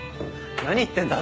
何言ってんだ？